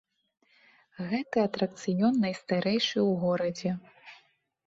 Гэты атракцыён найстарэйшы ў горадзе.